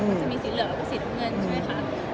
มันจะมีสีเหลืองแล้วก็สีน้ำเงินใช่ไหมคะ